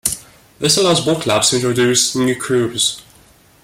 This allows boat clubs to introduce new crews.